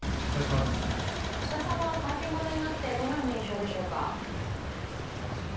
橋田さんは会見をご覧になってどのような印象でしょうか？